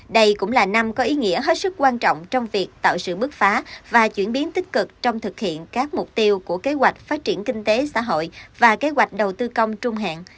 đây cũng là năm có ý nghĩa hết sức quan trọng trong việc tạo sự bước phá và chuyển biến tích cực trong thực hiện các mục tiêu của kế hoạch phát triển kinh tế xã hội và kế hoạch đầu tư công trung hạn